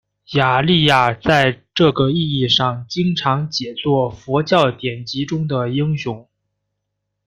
雅利亚在这个意义上经常解作佛教典籍中的英雄。